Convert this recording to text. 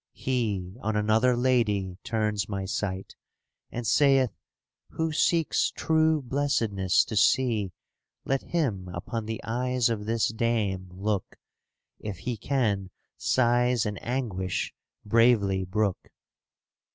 He on another lady turns my sight. And saith, "Who seeks true blessedness to see. Let him upon the eyes of this dame look, ^^ If he can sighs and anguish bravely brook."